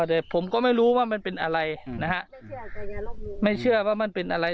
แต่ผมก็ไม่รู้ว่ามันเป็นอะไรนะฮะไม่เชื่อว่ามันเป็นอะไร